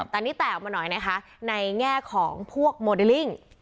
แต่นี่แตกออกมาหน่อยนะคะในแง่ของพวกโมเดลลิ่ง